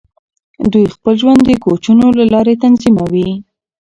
دوی خپل ژوند د کوچونو له لارې تنظیموي.